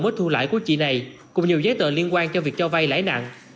mới thu lãi của chị này cùng nhiều giấy tờ liên quan cho việc cho vay lãi nặng